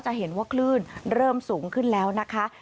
จะเห็นว่าคลื่นเริ่มสูงขึ้นแล้วนะคะ